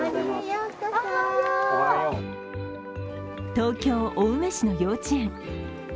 東京・青梅市の幼稚園。